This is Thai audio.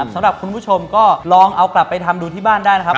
สำหรับคุณผู้ชมก็ลองเอากลับไปทำดูที่บ้านได้นะครับ